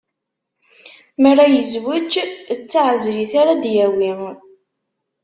Mi ara yezweǧ, d taɛezrit ara d-yawi.